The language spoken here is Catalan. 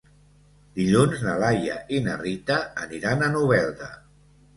Dilluns na Laia i na Rita aniran a Novelda.